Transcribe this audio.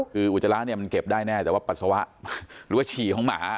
คืออุจจาระเนี่ยมันเก็บได้แน่แต่ว่าปัสสาวะหรือว่าฉี่ของหมา